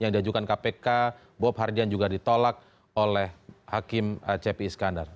dan kpk bob hardian juga ditolak oleh hakim cepi iskandar